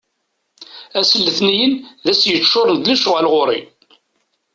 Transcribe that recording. Ass n letnayen d ass yeččuṛen d lecɣal ɣur-i.